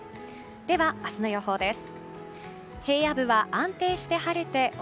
では、明日の予報です。